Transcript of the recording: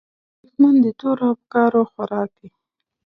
دښمن د تورو افکارو خوراک وي